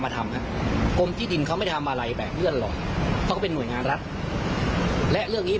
ที่มีราคาสูง